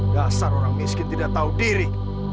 dasar orang miskin tidak tahu diri